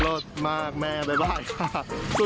โลดมากแม่บ๊ายบายค่ะ